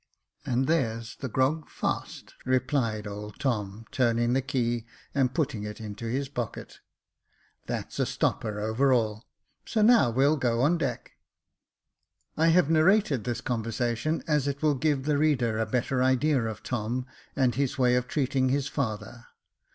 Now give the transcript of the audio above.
" And there's the grog, fast," rephed old Tom, turning the key, and putting it into his pocket. " That's a stopper over all ; so now we'll go on deck." I have narrated this conversation, as it will give the reader a better idea of Tom, and his way of treating his father.